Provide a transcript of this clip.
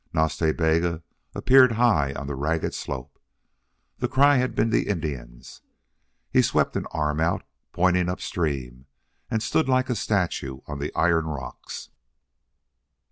Nas Ta Bega appeared high on the ragged slope. The cry had been the Indian's. He swept an arm out, pointing up stream, and stood like a statue on the iron rocks.